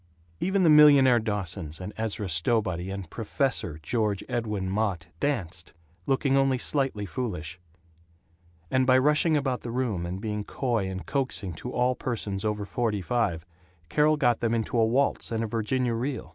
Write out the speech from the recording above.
Even the millionaire Dawsons and Ezra Stowbody and "Professor" George Edwin Mott danced, looking only slightly foolish; and by rushing about the room and being coy and coaxing to all persons over forty five, Carol got them into a waltz and a Virginia Reel.